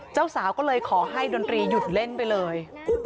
เจ้าสาวก็เลยขอให้ดนตรีหยุดเล่นไปเลย